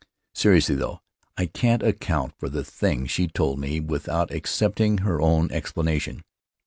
Seri ously, though, I can't account for the things she told me without accepting her own explanation.